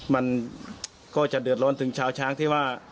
มันก็จะเดือดร้อนถึงชาวช้างที่ว่า